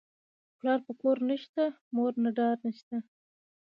ـ پلار په کور نشته، مور نه ډار نشته.